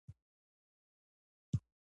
د جاپان هېواد د محصولاتو مصرف کوونکي و اوسي.